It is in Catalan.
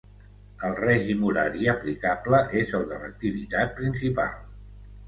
El règim horari aplicable és el de l'activitat principal.